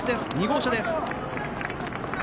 ２号車です。